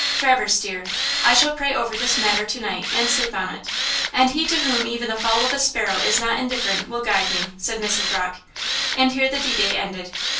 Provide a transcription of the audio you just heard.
"Traverse, dear, I shall pray over this matter to night and sleep on it; and He to whom even the fall of a sparrow is not indifferent will guide me," said Mrs. Rocke; and here the debate ended.